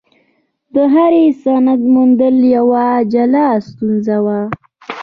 د هر سند موندل یوه جلا ستونزه وه.